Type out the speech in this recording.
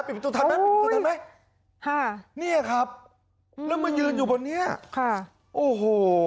ตัวทันไหมปิดประตูทันไหมฮะเนี่ยครับแล้วมายืนอยู่บนเนี้ยค่ะโอ้โห